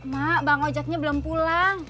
ma bang ojaknya belum pulang